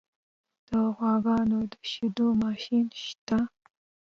د غواګانو د شیدو ماشین شته؟